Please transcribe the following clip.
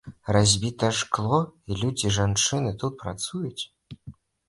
Разбітае шкло, і людзі, жанчыны тут працуюць.